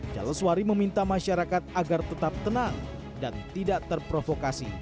jaleswari meminta masyarakat agar tetap tenang dan tidak terprovokasi